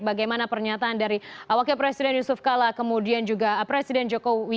bagaimana pernyataan dari wakil presiden yusuf kala kemudian juga presiden jokowi